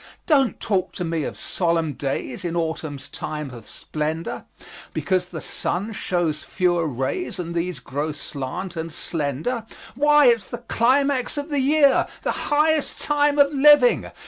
Don't talk to me of solemn days In autumn's time of splendor, Because the sun shows fewer rays, And these grow slant and slender. Why, it's the climax of the year, The highest time of living!